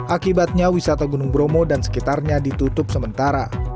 akibatnya wisata gunung bromo dan sekitarnya ditutup sementara